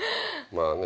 まあね